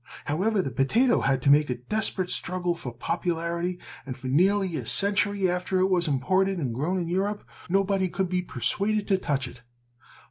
However, the potato had to make a desperate struggle for popularity and for nearly a century, after it was imported and grown in Europe nobody could be persuaded to touch it.